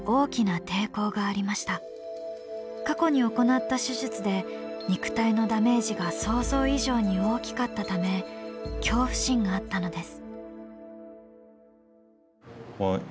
過去に行った手術で肉体のダメージが想像以上に大きかったため恐怖心があったのです。